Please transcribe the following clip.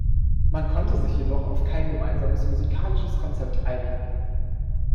Man konnte sich jedoch auf kein gemeinsames musikalisches Konzept einigen.